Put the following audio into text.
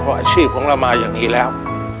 เพราะอาชีพของเรามาอย่างนี้แล้ว